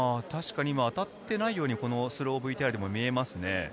今、当たっていないように、スローＶＴＲでも見えますね。